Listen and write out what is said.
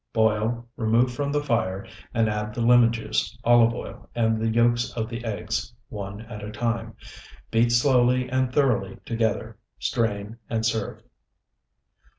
Boil, remove from the fire, and add the lemon juice, olive oil, and the yolks of the eggs, one at a time. Beat slowly and thoroughly together. Strain, and serve.